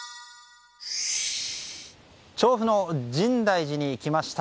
調布の深大寺に来ました。